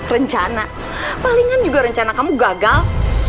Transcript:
rencana palingan juga rencana kamu gagal